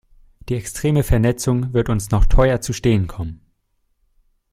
Die extreme Vernetzung wird uns noch teuer zu stehen kommen.